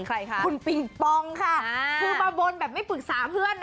ใครคะคุณปิงปองค่ะคือมาบนแบบไม่ปรึกษาเพื่อนนะ